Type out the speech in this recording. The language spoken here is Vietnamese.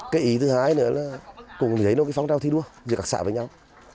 cái ý thứ hai nữa là cùng với nó phong trọng thi đua giữa các xã với nhau